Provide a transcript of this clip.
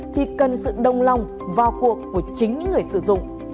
thì cần sự đồng lòng vào cuộc của chính người sử dụng